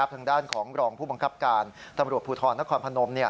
ทางด้านของรองผู้บังคับการตำรวจภูทรนครพนม